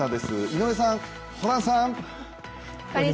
井上さん、ホランさん。